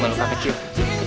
jangan lupa bang